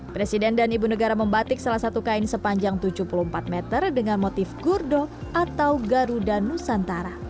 presiden dan ibu negara membatik salah satu kain sepanjang tujuh puluh empat meter dengan motif gurdo atau garuda nusantara